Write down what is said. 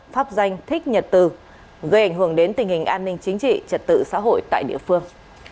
pháp danh thích nhật từ gây ảnh hưởng đến tình hình an ninh chính trị trật tự xã hội tại địa phương